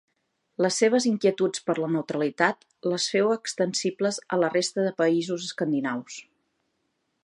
Les seves inquietuds per la neutralitat, les féu extensibles a la resta de països escandinaus.